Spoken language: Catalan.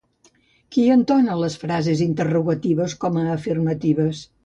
Qui entona les frases interrogatives com a afirmatives?